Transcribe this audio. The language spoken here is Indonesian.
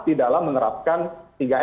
di dalam menerapkan tiga m